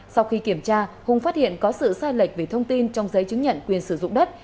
sau khi kiểm tra hùng phát hiện có sự sai lệch về thông tin trong giấy chứng nhận quyền sử dụng đất